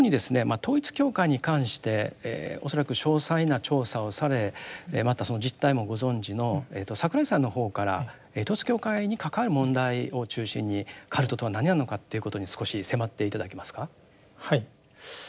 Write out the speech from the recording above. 統一教会に関して恐らく詳細な調査をされまたその実態もご存じの櫻井さんの方から統一教会に関わる問題を中心にカルトとは何なのかっていうことに少し迫って頂けますか。